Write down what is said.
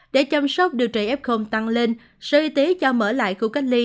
để chăm sóc điều trị f tăng lên sở y tế cho mở lại khu cách ly